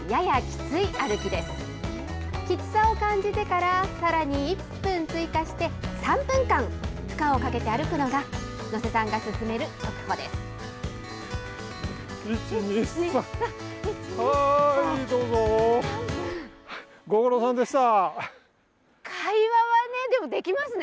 きつさを感じてからさらに１分追加して、３分間、負荷をかけて歩くのが、能勢さんが勧める速歩です。